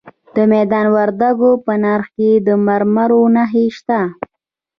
د میدان وردګو په نرخ کې د مرمرو نښې شته.